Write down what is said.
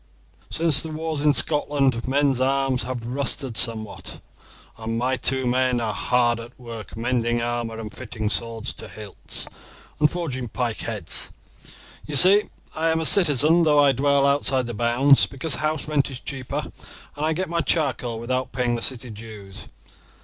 Since the wars in Scotland men's arms have rusted somewhat, and my two men are hard at work mending armour and fitting swords to hilts, and forging pike heads. You see I am a citizen though I dwell outside the bounds, because house rent is cheaper and I get my charcoal without paying the city dues.